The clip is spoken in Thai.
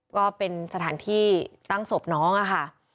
ก็เป็นสถานที่ตั้งศพน้องค่ะ